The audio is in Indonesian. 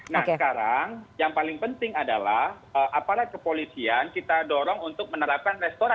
nah sekarang yang paling penting adalah aparat kepolisian kita dorong untuk menerapkan restoran